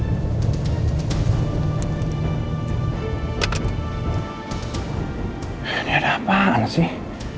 nah ini ada apaan sih